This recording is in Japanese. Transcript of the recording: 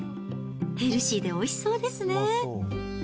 ヘルシーでおいしそうですね。